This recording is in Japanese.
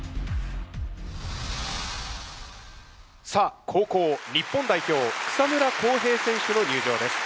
さあ後攻日本代表草村航平選手の入場です。